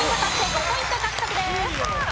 ５ポイント獲得です。